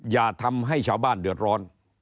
อย่าทำให้ชาวบ้านเดือดร้อน